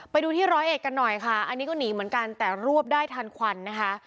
ไปดูที่ร้อยเอ็ดกันหน่อยค่ะอันนี้ก็หนีเหมือนกันแต่รวบได้ทันควันนะคะ